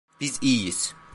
Biz iyiyiz.